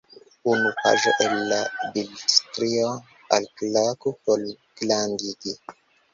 Unu paĝo el la bildstrio - alklaku por grandigi.